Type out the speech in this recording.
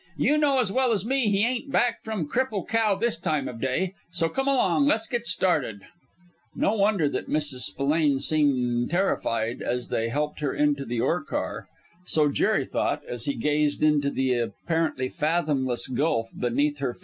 "You know as well as me he ain't back from Cripple Cow this time of day! So come along and let's get started." No wonder that Mrs. Spillane seemed terrified as they helped her into the ore car so Jerry thought, as he gazed into the apparently fathomless gulf beneath her.